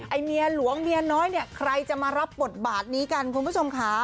ไอ้เมียหลวงเมียน้อยใครจะมารับบทบาทนี้กันคุณผู้ชมขา